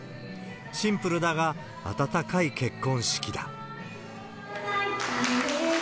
シンプルだが温かい結婚式だ。